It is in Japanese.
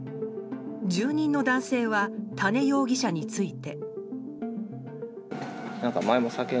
住人の男性は多禰容疑者について。